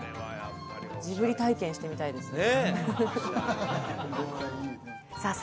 ジブリ体験してみたいですねえさあ